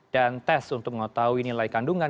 dan tes untuk mengetahui nilai kandungan